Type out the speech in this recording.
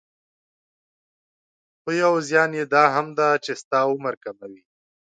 خو يو زيان يي دا هم ده چې ستاسې عمر کموي.